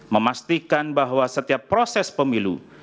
memastikan bahwa setiap proses pemilu